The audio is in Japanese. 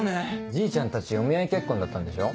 じいちゃんたちお見合い結婚だったんでしょ？